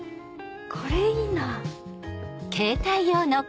これいいな。